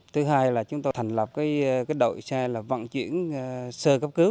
thứ hai là chúng tôi thành lập đội xe là vận chuyển sơ cấp cứu